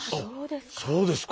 そうですか。